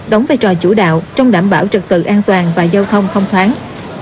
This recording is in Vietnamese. đóng vai trò chủ đạo trong đảm bảo trật tự an toàn và giao thông không thoáng